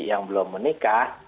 yang belum menikah